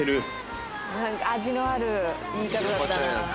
味のある言い方だったな。